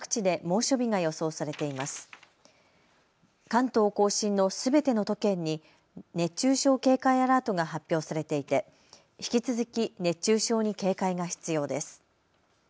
関東甲信のすべての都県に熱中症警戒アラートが発表されていて引き続き熱中症に警戒が必要です。